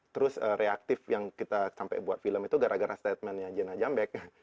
terus reaktif yang kita sampai buat film itu gara gara statementnya jena jambek